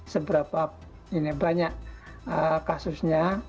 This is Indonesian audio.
seberapa banyak kasusnya